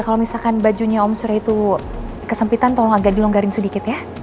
kalau misalkan bajunya omsure itu kesempitan tolong agak dilonggarin sedikit ya